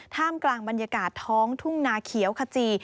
ท่ามกลางบรรยากาศท้องทุ่งนาเขียวขจี